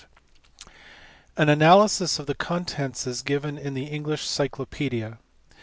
An analysis of the contents is given in the English Cyclopaedia.